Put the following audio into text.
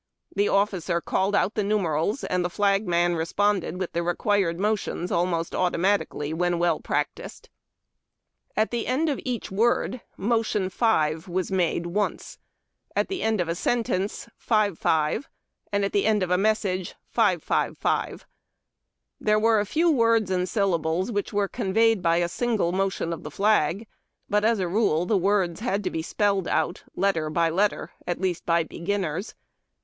The officer called the numerals, and the flagman responded with the required motions almost automatically, when well practised. At the end of each word motion " 5 " was made once ; at tlje end of a sentence "55"; and of a message "555." There were a few words and syllables which were conveyed by a single motion of the flag ; but, as a rule, the words had to be spelled out letter by letter, at least by beginners.